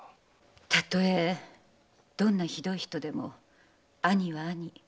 たとえどんなひどい人でも兄は兄。